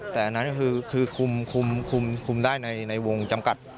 แต่อันนั้นก็คือคุมได้ในวงจำกัด